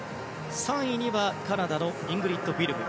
３位にはカナダのイングリッド・ウィルム。